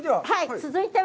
続いては？